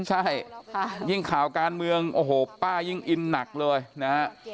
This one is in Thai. ใช่ยิ่งข่าวการเมืองโอ้โหป้ายิ่งอินหนักเลยนะฮะ